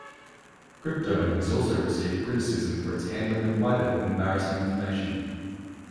Cryptome has also received criticism for its handling of private and embarrassing information.